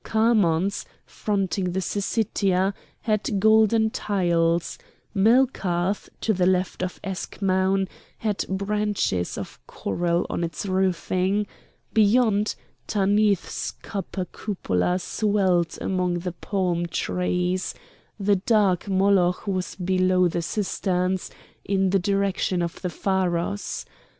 Khamon's, fronting the Syssitia, had golden tiles; Melkarth, to the left of Eschmoun, had branches of coral on its roofing; beyond, Tanith's copper cupola swelled among the palm trees; the dark Moloch was below the cisterns, in the direction of the pharos.